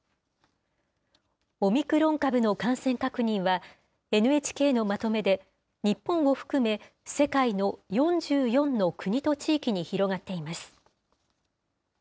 オミクロン株の感染確認は、ＮＨＫのまとめで、日本を含め、世界の４４の国と地域に広がっています。